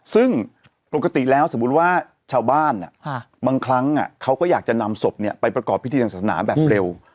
ซึ่งปกติแล้วสมมุติว่าชาวบ้านบางครั้งเขาก็อยากจะนำศพไปประกอบพิธีทางศาสนาแบบเร็ว